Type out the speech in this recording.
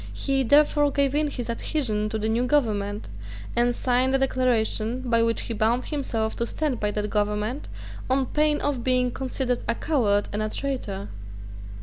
He therefore gave in his adhesion to the new government, and signed a declaration by which he bound himself to stand by that government, on pain of being considered a coward and a traitor.